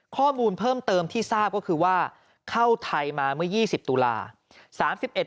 ข้อมูลเพิ่มเติมที่ทราบก็คือว่าเข้าไทยมาเมื่อ๒๐ตุลาคม